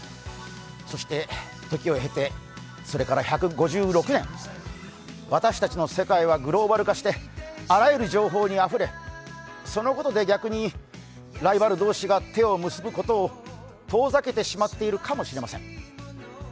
そして時を経て、それから１５６年、私たちの世界はグローバル化して、あらゆる情報にあふれそのことで逆にライバル同士が手を結ぶことを遠ざけてしまっているかもしれません。